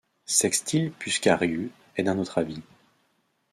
Sextil Pușcariu est d’un autre avis.